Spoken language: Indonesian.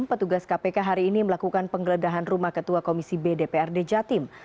petugas kpk hari ini melakukan penggeledahan rumah ketua komisi b dprd jatim